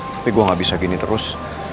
tapi gue gak bisa gini terus